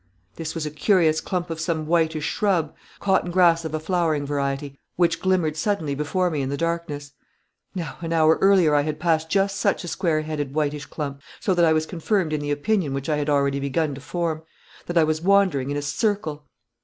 This was a curious clump of some whitish shrub cotton grass of a flowering variety which glimmered suddenly before me in the darkness. Now, an hour earlier I had passed just such a square headed, whitish clump; so that I was confirmed in the opinion which I had already begun to form, that I was wandering in a circle.